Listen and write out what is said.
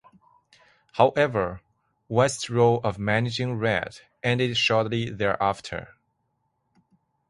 However, West's role of managing Red ended shortly thereafter.